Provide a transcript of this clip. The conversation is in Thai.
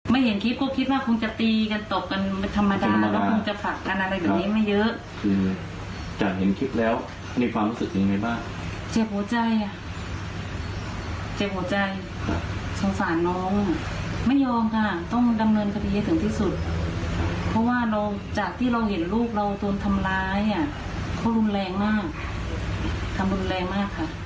เพราะว่าจากที่เราเห็นลูกเราโดนทำร้ายเขารุนแรงมากทำรุนแรงมากค่ะ